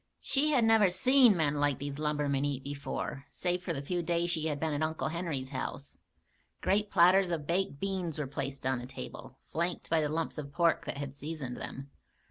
She had never seen men like these lumbermen eat before, save for the few days she had been at Uncle Henry's house. Great platters of baked beans were placed on the table, flanked by the lumps of pork that had seasoned them.